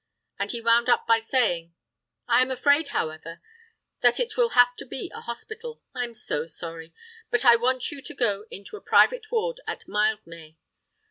And he wound up by saying, "I am afraid, however, that it will have to be a hospital—I'm so sorry—but I want you to go into a private ward in Mildmay.